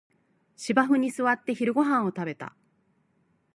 芝生に座って昼ごはんを食べた